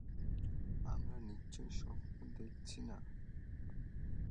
আমরা নিশ্চয়ই স্বপ্ন দেখছি না।